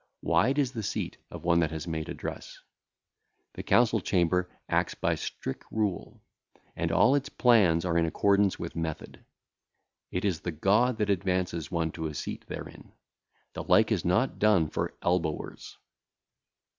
Wide is the seat of one that hath made address. The council chamber acteth by strict rule; and all its plans are in accordance with method. It is the God that advanceth one to a seat therein; the like is not done for elbowers.